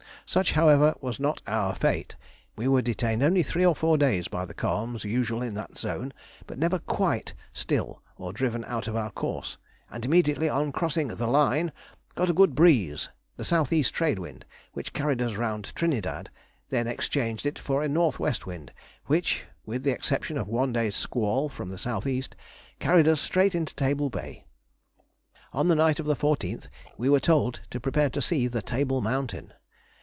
Such, however, was not our fate. We were detained only three or four days by the calms usual in that zone, but never quite still, or driven out of our course, and immediately on crossing "the line," got a good breeze (the south east trade wind), which carried us round Trinidad, then exchanged it for a north west wind, which, with the exception of one day's squall from the south east, carried us straight into Table Bay. On the night of the 14th we were told to prepare to see the Table Mountain.